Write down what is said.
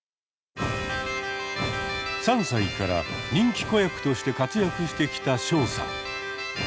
３歳から人気子役として活躍してきたショウさん。